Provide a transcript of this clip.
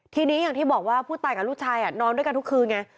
ทีนี้อย่างที่บอกว่าผู้ตายกับลูกชายนอนด้วยกันทุกคืนไง